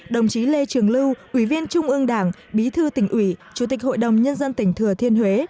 đồng chí lê trường lưu ủy viên trung ương đảng bí thư tỉnh ủy chủ tịch hội đồng nhân dân tỉnh thừa thiên huế